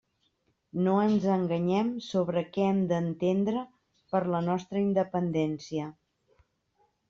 No ens enganyem sobre què hem d'entendre per la nostra independència.